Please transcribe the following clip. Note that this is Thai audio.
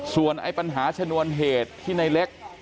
ส่วนไอ้ปัญหาชนวนเหตุที่ในเล็ก